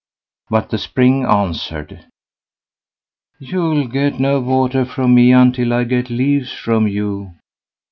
But the Spring answered: "You'll get no water from me until I get leaves from you."